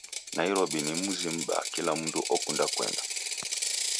Nairobi ni muzi mubaa kila mundu okunda kuenda